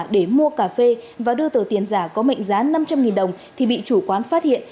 để mua cà phê và đưa tờ tiền giả có mệnh giá năm trăm linh đồng thì bị chủ quán phát hiện